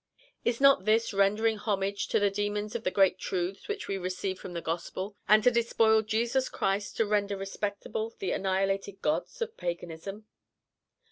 Is not this rendering homage to the demons of the great truths which we receive from the Gospel, and to despoil Jesus Christ to render respectable the annihilated gods of paganism?